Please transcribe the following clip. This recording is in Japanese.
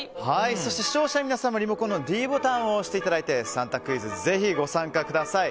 そして視聴者の皆さんもリモコンのｄボタンを押していただいて３択クイズにぜひご参加ください。